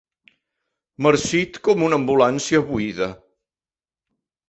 Marcit com una ambulància buida.